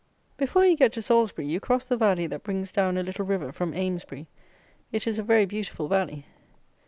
Before you get to Salisbury, you cross the valley that brings down a little river from Amesbury. It is a very beautiful valley.